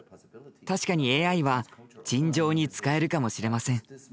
確かにＡＩは「陳情」に使えるかもしれません。